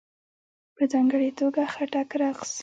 په ځانګړې توګه ..خټک رقص..